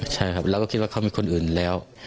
ใช่ครับเราก็คิดว่าเขามีคนอื่นแล้ว